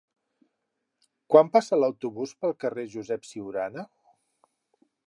Quan passa l'autobús pel carrer Josep Ciurana?